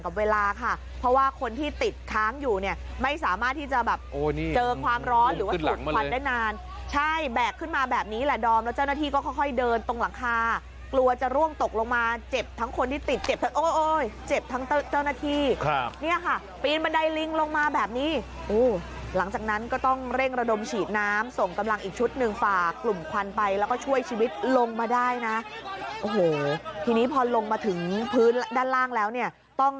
เกินตรงหลังคากลัวจะร่วงตกลงมาเจ็บทั้งคนที่ติดเจ็บทั้งโอ้โหเจ็บทั้งเจ้าหน้าที่ครับเนี่ยค่ะปีนบันไดลิงลงมาแบบนี้โอ้หลังจากนั้นก็ต้องเร่งระดมฉีดน้ำส่งกำลังอีกชุดหนึ่งฝากกลุ่มควันไปแล้วก็ช่วยชีวิตลงมาได้นะโอ้โหทีนี้พอลงมาถึงพื้นด้านล่างแล้วเนี่ยต้อง